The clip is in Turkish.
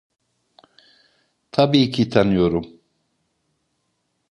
Tabii ki tanıyorum.